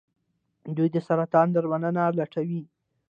دوی د سرطان درملنه لټوي.